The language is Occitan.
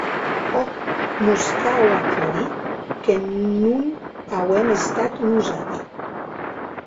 Òc, mos cau aclarir que non auem estat nosati.